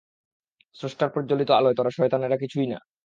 স্রষ্টার প্রজ্জলিত আলোয় তোরা শয়তানেরা কিছুই না!